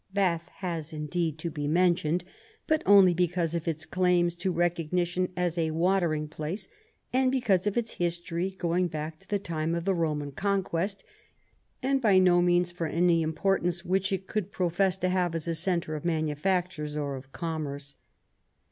Bath has indeed to be mentioned, but only because of its claims to recognition as a watering place and because of its history going back to the time of the Roman Conquest, and by no means for any im portance which it could profess to have as a centre of manufactures or of commerce.